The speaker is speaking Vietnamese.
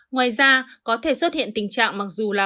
ngoài ra có thể xuất hiện tình trạng mặc dù là